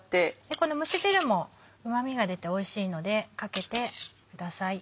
この蒸し汁もうま味が出ておいしいのでかけてください。